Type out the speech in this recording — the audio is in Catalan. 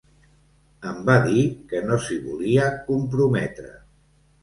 Em va dir que no s'hi volia comprometre.